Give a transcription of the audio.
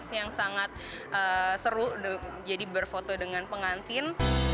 dan juga pengalaman yang sangat seru jadi berfoto dengan pengantin